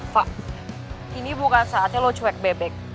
pak ini bukan saatnya lo cuek bebek